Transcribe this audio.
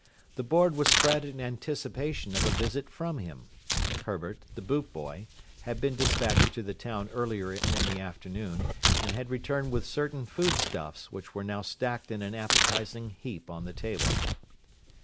The board was spread in anticipation of a visit from him. Herbert, the boot boy, had been despatched to the town earlier in the afternoon, and had returned with certain food stuffs which were now stacked in an appetising heap on the table.